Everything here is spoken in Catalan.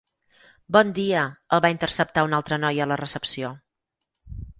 Bon dia —el va interceptar una altra noia a la recepció—.